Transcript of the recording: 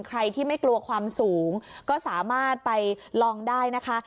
ใครที่ไม่กลัวความสูงก็สามารถไปลองได้นะคะ